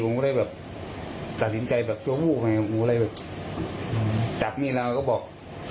ผมก็เลยตัดสินใจแบบโอ้โหผมก็เลยจับหนี้แล้วก็บอก